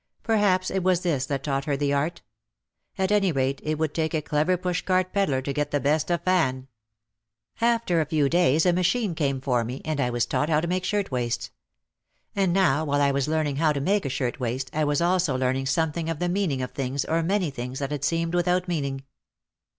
Perhaps it was this that taught her the art. At any rate it would take a clever pushcart pedlar to get the best of Fan. After a few days a machine came for me and I was taught how to make shirt waists. And now while I was learning how to make a shirt waist I was also learning something of the meaning of things or many things that had seemed without meaning.